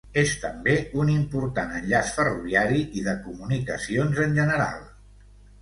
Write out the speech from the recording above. És també un important enllaç ferroviari i de comunicacions en general.